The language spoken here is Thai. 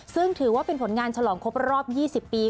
ซึ่งถือว่าเป็นผลงานฉลองครบรอบ๒๐ปี